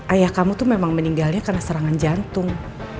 ayah kamu tuh memang meninggalnya karena serangan jantung